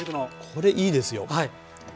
これいいですよ。